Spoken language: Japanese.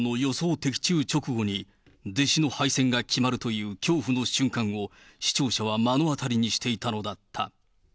的中直後に、弟子の敗戦が決まるという恐怖の瞬間を、視聴者は目の当たりにしていたのだった。